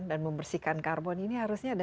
dan membersihkan karbon ini harusnya ada